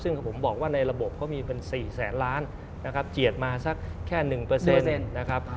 ซึ่งผมบอกว่าในระบบเขามีเป็น๔แสนล้านนะครับเจียดมาสักแค่๑นะครับ